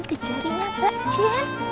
kesukin ke jarinya mbak jen